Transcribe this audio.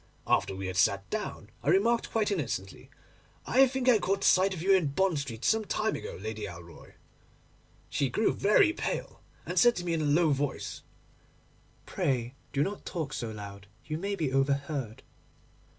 After we had sat down, I remarked quite innocently, "I think I caught sight of you in Bond Street some time ago, Lady Alroy." She grew very pale, and said to me in a low voice, "Pray do not talk so loud; you may be overheard."